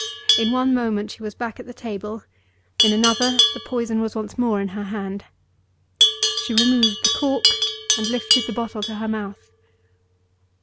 In one moment she was back at the table; in another, the poison was once more in her hand. She removed the cork and lifted the bottle to her mouth.